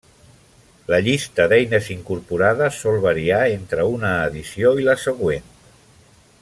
La llista d'eines incorporades sol variar entre una edició i la següent.